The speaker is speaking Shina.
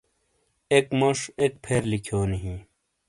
اک موش ایک پھیر لکھیونی بیں